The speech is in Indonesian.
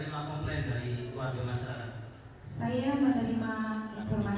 itu saudara terima komplain dari warga masyarakat